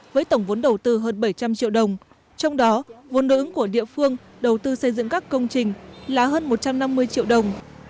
với tổng vốn đầu tư hơn bảy trăm linh triệu đồng trong đó vốn đối ứng của địa phương đầu tư xây dựng các công trình là hơn một trăm năm mươi triệu đồng